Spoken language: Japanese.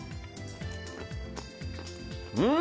うん！